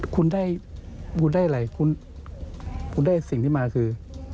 คุณได้บุญได้อะไรคุณได้สิ่งที่มาคือ